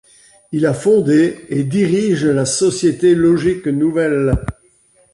Il a fondé et dirige la société Logique Nouvelle.